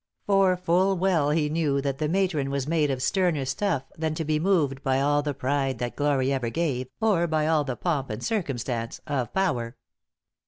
For full well he knew that the matron was made of sterner stuff than to be moved by all the pride that glory ever gave, or by all the 'pomp and circumstance' of power.